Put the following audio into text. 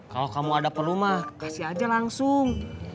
kalo kamu ada perluma kasih aja langsung